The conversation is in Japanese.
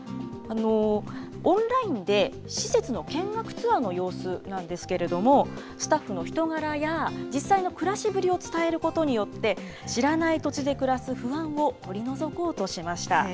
オンラインで施設の見学ツアーの様子なんですけれども、スタッフの人柄や、実際の暮らしぶりを伝えることによって、知らない土地で暮らす不安を取り除こうとしました。